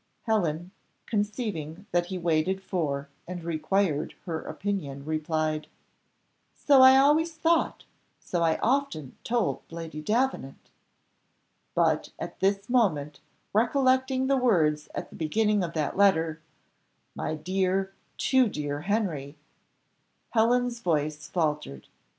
Helen, conceiving that he waited for and required her opinion, replied, "So I always thought so I often told Lady Davenant." But at this moment recollecting the words at the beginning of that letter, "My dear, too dear Henry," Helen's voice faltered.